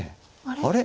あれ？